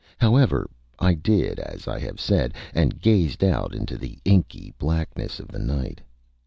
However, I did as I have said, and gazed out into the inky blackness of the night.